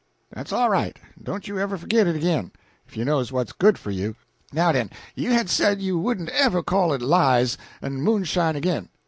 "Dat's all right. Don't you ever forgit it ag'in, if you knows what's good for you. Now den, you has said you wouldn't ever call it lies en moonshine ag'in.